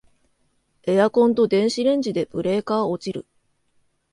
エアコンと電子レンジでブレーカー落ちる